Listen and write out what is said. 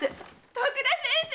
徳田先生